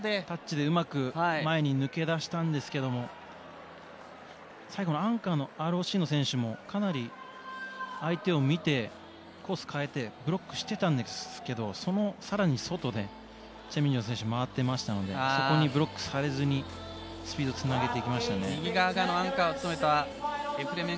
タッチでうまく前に抜け出したんですが最後のアンカーのＲＯＣの選手もかなり相手を見てコースを変えてブロックしていたんですがそのさらに外でチェ・ミンジョン選手も回っていましたのでそこにブロックされずにスピードをつなげていきましたね。